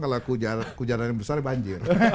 kalau hujan hujan yang besar banjir